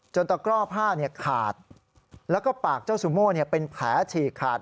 ตะกร่อผ้าขาดแล้วก็ปากเจ้าซูโม่เป็นแผลฉีกขาด